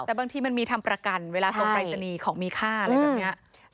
แต่บางทีมันมีทำประกันเวลาส่งปรายศนีย์ของมีค่าอะไรแบบนี้